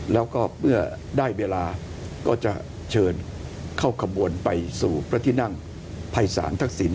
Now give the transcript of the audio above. แล้วก็เมื่อได้เวลาก็จะเชิญเข้าขบวนไปสู่พระที่นั่งภัยศาลทักษิณ